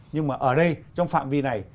nhưng mà ở đây trong phạm vi này